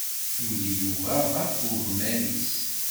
Yuli Yuba ɣef ugmar-is.